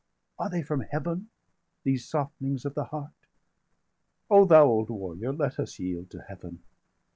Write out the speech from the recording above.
Are they from Heaven, these softenings of the heart? O thou old warrior, let us yield to Heaven!